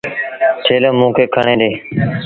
ٿيلو موݩ کي کڻي ڏي۔